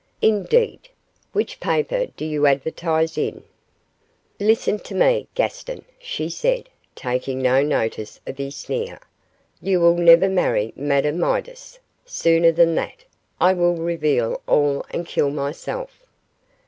'Indeed! which paper do you advertise in?' 'Listen to me, Gaston,' she said, taking no notice of his sneer; 'you will never marry Madame Midas; sooner than that, I will reveal all and kill myself.